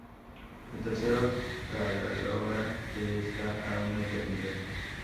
El tercero, Cadalora, está a una eternidad.